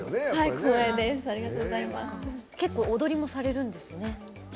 結構踊りもされるんですね。